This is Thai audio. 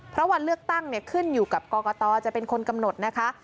เพราะวันเลือกตั้งขึ้นอยู่กับกรกตจะเป็นคนกำหนดนะคะ